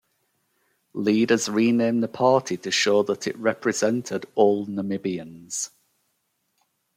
Leaders renamed the party to show that it represented all Namibians.